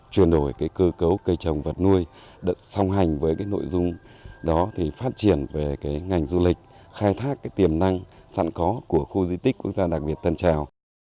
chuyển đổi cơ cấu cây trồng vật nuôi song hành với nội dung đó thì phát triển về ngành du lịch khai thác tiềm năng sẵn có của khu di tích quốc gia đặc biệt tân trào